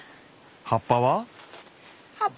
葉っぱは？